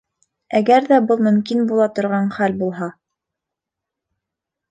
Әгәр ҙә был мөмкин була торған хәл булһа.